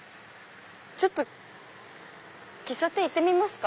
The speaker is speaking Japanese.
ちょっと喫茶店行ってみますか。